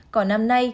còn năm nay